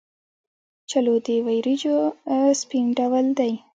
چلو د وریجو سپین ډول دی.